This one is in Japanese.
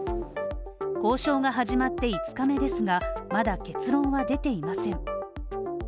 交渉が始まって５日目ですが、まだ結論は出ていません。